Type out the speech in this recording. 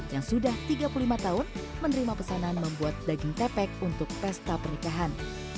yang sudah tiga puluh lima tahun menerima pesanan membuat daging tepek untuk pesta pernikahan